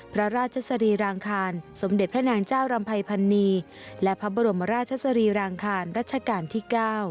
พระราชสรีรางคารสมเด็จพระนางเจ้ารำภัยพันนีและพระบรมราชสรีรางคารรัชกาลที่๙